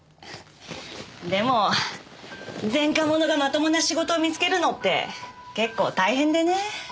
でも前科者がまともな仕事を見つけるのって結構大変でね。